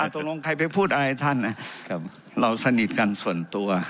ตกลงใครไปพูดอะไรท่านเราสนิทกันส่วนตัว